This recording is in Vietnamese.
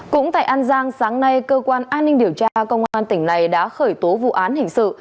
cũng tại an giang sáng nay cơ quan an ninh điều tra công an tỉnh này đã khởi tố vụ án hình sự